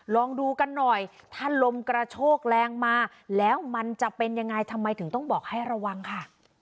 ลองดูกันหน่อยถ้าลมกระโชกแรงมาแล้วมันจะเป็นยังไงทำไมถึงต้องบอกให้ระวังค่ะ